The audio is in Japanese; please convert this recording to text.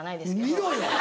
見ろよ。